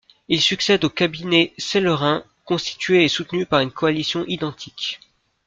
Il succède au cabinet Sellering, constitué et soutenu par une coalition identique.